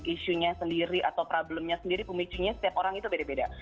isunya sendiri atau problemnya sendiri pemicunya setiap orang itu beda beda